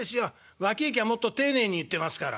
脇行きゃもっと丁寧に言ってますから」。